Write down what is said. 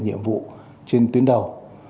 nhiệm vụ trên tuyến đầu